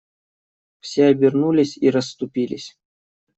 Все обернулись и расступились.